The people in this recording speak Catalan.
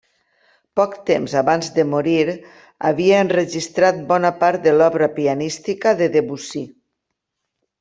Poc temps abans de morir havia enregistrat bona part de l'obra pianística de Debussy.